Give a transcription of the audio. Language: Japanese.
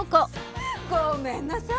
ごめんなさい。